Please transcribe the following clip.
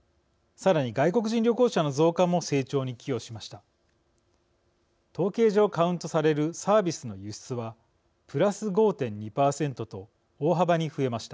さらに、外国人旅行者の増加も成長に寄与しました。